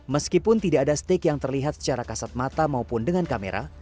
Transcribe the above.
meskipun tidak ada stick yang terlihat secara kasat mata maupun dengan kamera